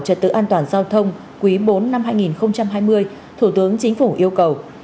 trật tự an toàn giao thông quý bốn năm hai nghìn hai mươi thủ tướng chính phủ yêu cầu